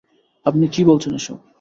আপনি কি বলছেন এসব?